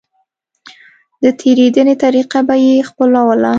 د تېرېدنې طريقه به يې خپلوله.